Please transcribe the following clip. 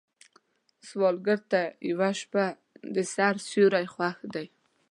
سوالګر ته یوه شپه د سر سیوری خوښ دی